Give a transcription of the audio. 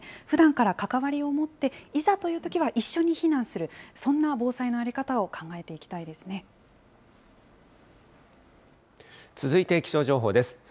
ふだんから関わりを持って、いざというときは一緒に避難する、そんな防災の在り方を考えていきた続いて気象情報です。